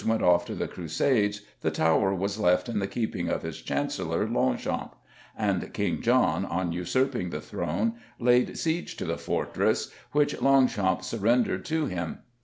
went off to the Crusades the Tower was left in the keeping of his Chancellor, Longchamp; and King John, on usurping the throne, laid siege to the fortress, which Longchamp surrendered to him.